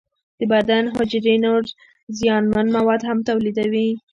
د بدن حجرې نور زیانمن مواد هم تولیدوي.